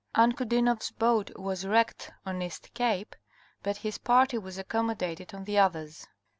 Ankudinoff's boat was wrecked on East Cape, but his party was accommodated on the others.